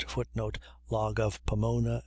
[Footnote: Log of Pomona.